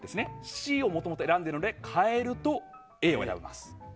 Ｃをもともと選んでるので変えるとＡを選びます。